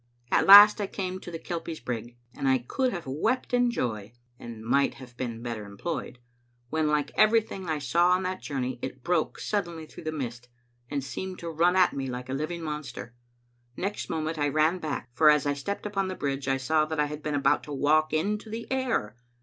At last I came to the Kelpie's brig, and I could have wept in joy (and might have been better employed), when, like everything I saw on that journey, it broke suddenly through the mist, and seemed to run at me like a living monster. Next moment I ran back, for as I stepped upon the bridge I saw that I had been about to walk into the air.